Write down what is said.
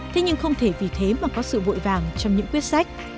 thế nhưng không thể vì thế mà có sự vội vàng trong những quyết sách